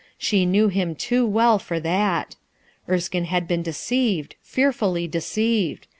She knew him too well for that Erskine had been de ceived, fearfully deceived!